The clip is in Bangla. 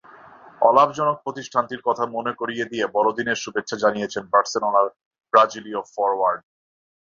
অলাভজনক প্রতিষ্ঠানটির কথা মনে করিয়ে দিয়ে বড়দিনের শুভেচ্ছা জানিয়েছেন বার্সেলোনার ব্রাজিলীয় ফরোয়ার্ড।